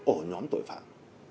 ở nhóm tội phạm